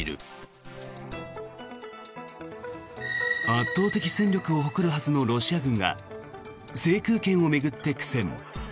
圧倒的戦力を誇るはずのロシア軍が制空権を巡って苦戦。